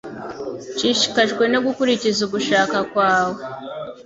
Nshishikajwe no gukurikiza ugushaka kwawe